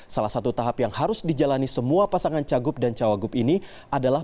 salah satu tahap yang harus dijalani semua pasangan cagup dan cawagup ini adalah